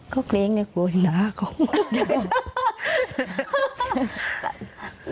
ก็กลิ่งใจกลัวหน้าเขา